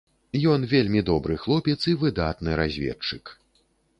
Ён вельмі добры хлопец і выдатны разведчык.